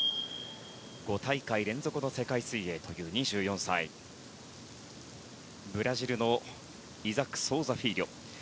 ５大会連続の世界水泳という２４歳ブラジルのソウザフィーリョ。